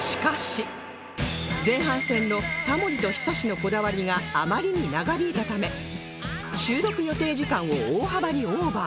前半戦のタモリと ＨＩＳＡＳＨＩ のこだわりがあまりに長引いたため収録予定時間を大幅にオーバー